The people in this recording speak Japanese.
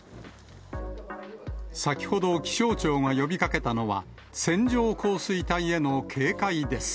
先ほど気象庁が呼びかけたのは、線状降水帯への警戒です。